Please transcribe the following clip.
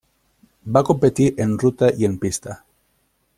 Va competir en ruta i en pista.